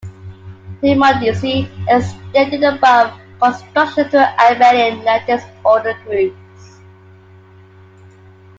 D. Mundici extended the above construction to abelian lattice-ordered groups.